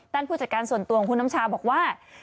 ผู้จัดการส่วนตัวของคุณน้ำชาบอกว่า